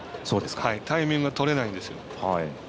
タイミングとれないんです。